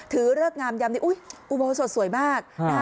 ถือเลิกงามยามดีอุ้ยอุบัวโสดสวยมาก